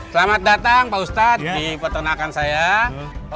selamat datang pak ustadz di peternakan saya